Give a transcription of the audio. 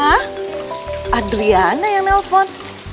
hah adriana yang nelfon